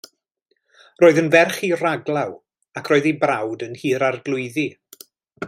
Roedd yn ferch i raglaw ac roedd ei brawd yn Nhŷ'r Arglwyddi.